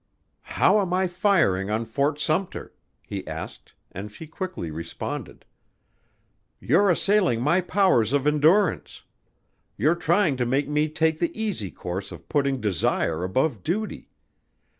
"How am I firing on Fort Sumpter?" he asked and she quickly responded. "You're assailing my powers of endurance. You're trying to make me take the easy course of putting desire above duty.